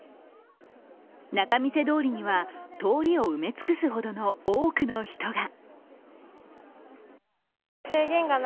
仲見世通りには通りを覆い尽くすほどの多くの人が。